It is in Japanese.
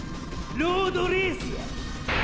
ロードレースや！